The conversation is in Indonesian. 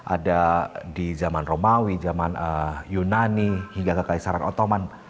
ada di zaman romawi zaman yunani hingga kekaisaran ottoman